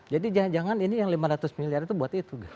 jadi jangan jangan ini yang lima ratus miliar itu buat itu